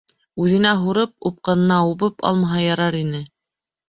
Үҙенә һурып, упҡынына убып алмаһа ярар ине.